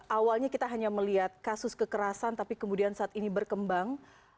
awalnya kita hanya melihat kasus kekerasan tapi kemudian saat ini berkembang